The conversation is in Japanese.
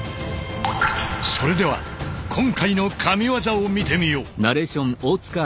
それでは今回のＫＡＭＩＷＡＺＡを見てみよう。